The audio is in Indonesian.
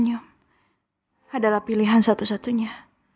adalah pilihan satu satunya